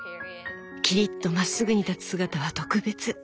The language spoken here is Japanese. きりっとまっすぐに立つ姿は特別。